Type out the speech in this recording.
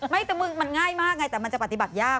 มันง่ายมากไงแต่มันจะปฏิบัติยาก